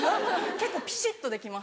結構ぴしっとできます